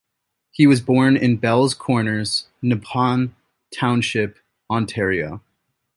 He was born in Bells Corners, Nepean Township, Ontario.